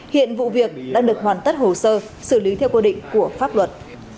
hiện vụ việc đang được hoàn tất hồ sơ xử lý theo quy định của pháp luật